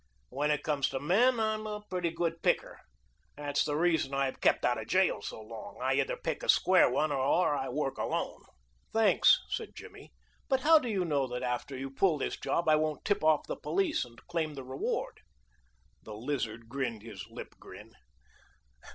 When it comes to men, I'm a pretty good picker. That's the reason I have kept out of jail so long. I either pick a square one or I work alone." "Thanks," said Jimmy, "but how do you know that after you pull this job I won't tip off the police and claim the reward." The Lizard grinned his lip grin.